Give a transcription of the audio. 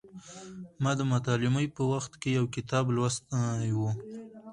ما د متعلمۍ په وخت کې یو کتاب لوستی و.